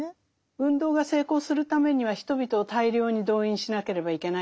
運動が成功するためには人々を大量に動員しなければいけない